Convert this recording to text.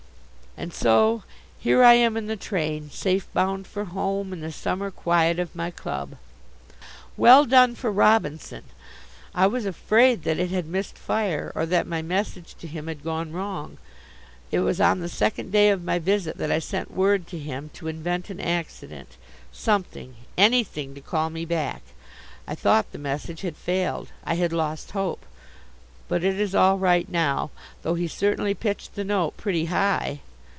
And so here I am in the train, safe bound for home and the summer quiet of my club. Well done for Robinson! I was afraid that it had missed fire, or that my message to him had gone wrong. It was on the second day of my visit that I sent word to him to invent an accident something, anything to call me back. I thought the message had failed. I had lost hope. But it is all right now, though he certainly pitched the note pretty high.